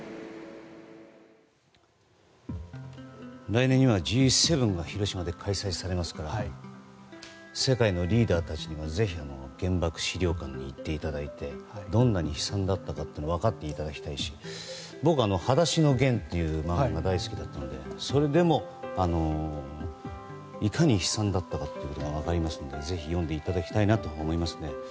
来年にはＧ７が広島で開催されますから世界のリーダーたちにもぜひ原爆資料館に行っていただいてどんなに悲惨だったかを分かっていただきたいし僕は、「はだしのゲン」という漫画が大好きだったのでそれでもいかに悲惨だったかということが分かりますのでぜひ読んでいただきたいなと思いますね。